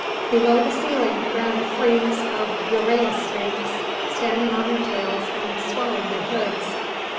Below the ceiling ran a frieze of uræus snakes, standing on their tails and swelling their hoods.